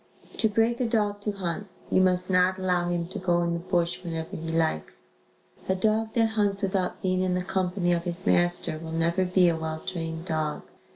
To break a dog to hunt, you must not allow him to go in the bush whenever he likes. A dog that hunts without being in the company of his master will never be a well trained dog.